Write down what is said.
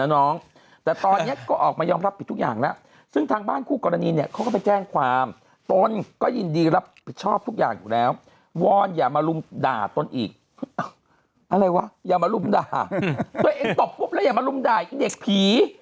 น้องขอเกลียดทีเรื่องนี่เข้าใจไหมไม่ไม่ไม่